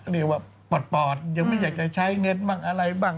เรียกว่าปอดยังไม่อยากจะใช้เงินบ้างอะไรบ้าง